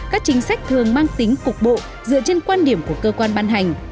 các chính sách thường mang tính cục bộ dựa trên quan điểm của cơ quan ban hành